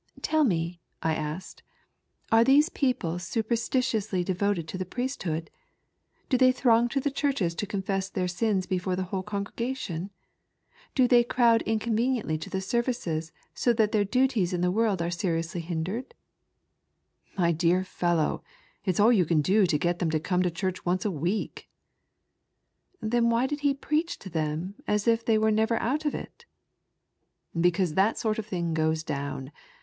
" Tell me," I asked, " are these people super stitiously devoted to the priesthood ? Do they throng to the churches to confess their sins before the whole congregation ? Do they crowd incon veniently to the services so that their duties in the world are seriously hindered ?"" My dear fellow, it's all you can do to get them to come to church once a week." Then why did he preach to them as if they were never out of it ?"" Because that sort of thing goes down.